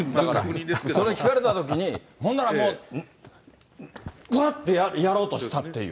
それ聞かれたときに、ほんなら、ぐってやろうとしたっていう。